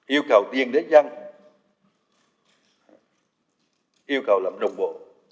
yêu cầu tiền đến dân yêu cầu làm đồng bộ